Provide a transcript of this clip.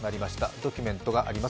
ドキュメントがあります。